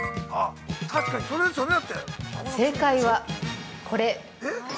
◆確かにそれですよね。